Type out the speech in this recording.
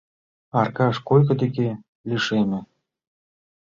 Аркаш койко деке лишеме.